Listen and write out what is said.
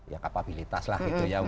ya kapabilitas lah gitu ya